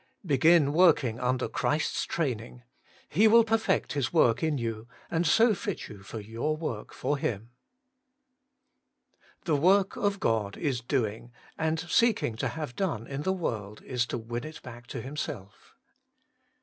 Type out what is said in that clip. Begin working under Christ's training; He will perfect His work in you, and so fit you for your work for Him. 1. The work God is doing, and seeking to have done in the world, is to win it back to Himself.